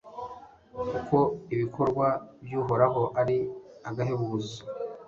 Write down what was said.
kuko ibikorwa by'uhoraho ari agahebuzo